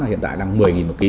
hiện tại đang một mươi một ký